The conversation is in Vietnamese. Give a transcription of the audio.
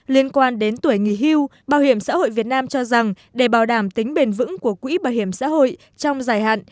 liên quan đến tuổi nghỉ hưu bảo hiểm xã hội việt nam cho rằng để bảo đảm tính bền vững của quỹ bảo hiểm xã hội trong dài hạn